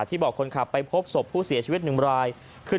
บอกคนขับไปพบศพผู้เสียชีวิตหนึ่งรายคือ